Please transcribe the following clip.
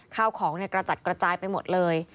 ข้าวของกระจัดกระจายไปหมดเลย